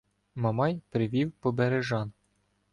Мамай привів побережан.